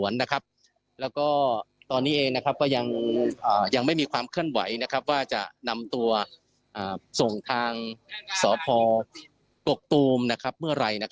แล้วก็ตอนนี้เองก็ยังไม่มีความเคลื่อนไหวว่าจะนำตัวส่งทางสพกกตูมเมื่อไหร่